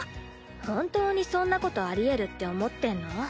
本当にそんなことありえるって思ってんの？